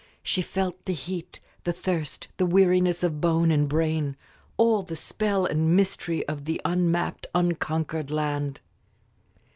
She felt the heat, the thirst, the weariness of bone and brain all the spell and mystery of the unmapped, unconquered land.